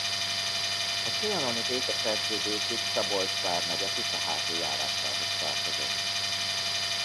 A trianoni békeszerződésig Szabolcs vármegye Tiszaháti járásához tartozott.